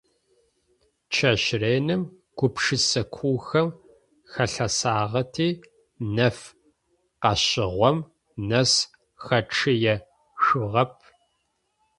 Чэщ реным гупшысэ куухэм халъэсагъэти нэф къэшъыгъом нэс хэчъыешъугъэп.